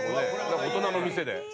大人の店で。